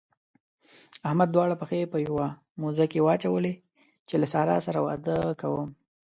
احمد دواړه پښې په يوه موزه کې واچولې چې له سارا سره واده کوم.